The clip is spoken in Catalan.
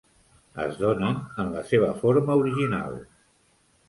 Es donen en la seva forma original.